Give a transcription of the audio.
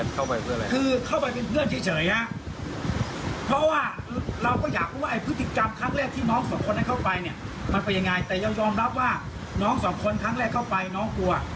แต่ยอมรับว่าน้องสองคนครั้งแรกเข้าไปน้องกลัว